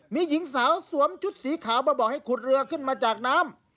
มีหญิงสาวสวมชุดสีขาวมาบอกให้ขุดเรือขึ้นมาจากน้ำ